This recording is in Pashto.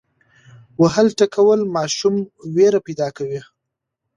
وهل ټکول ماشوم ویره پیدا کوي.